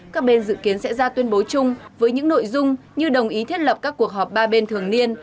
các bên dự kiến sẽ ra tuyên bố chung với những nội dung như đồng ý thiết lập các cuộc họp ba bên thường niên